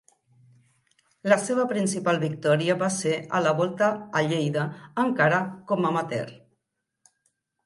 La seva principal victòria va ser a la Volta a Lleida encara com a amateur.